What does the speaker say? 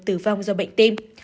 từ vong do bệnh tim